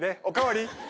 お代わり？